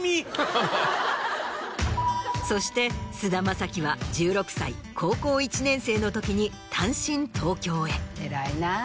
そして菅田将暉は１６歳高校１年生のときに単身東京へ。